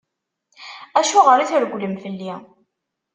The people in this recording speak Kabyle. Acuɣer i tregglem fell-i?